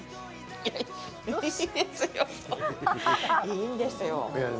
いいんですよ。